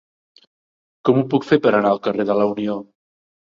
Com ho puc fer per anar al carrer de la Unió?